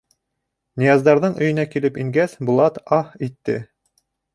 Нияздарҙың өйөнә килеп ингәс, Булат «аһ» итте.